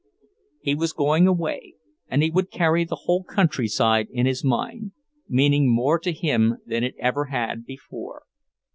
He was going away, and he would carry the whole countryside in his mind, meaning more to him than it ever had before.